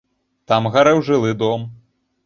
Там гарэў жылы дом.